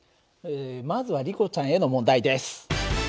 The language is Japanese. まずはリコちゃんへの問題です。